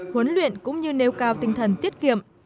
huấn luyện cũng như nêu cao tinh thần tiết kiệm